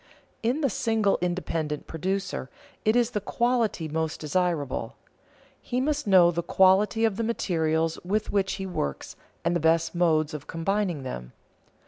In the single independent producer it is the quality most desirable. He must know the quality of the materials with which he works and the best modes of combining them.